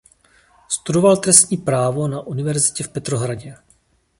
Studoval trestní právo na univerzitě v Petrohradě.